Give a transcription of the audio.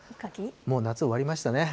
もう、夏終わりましたね。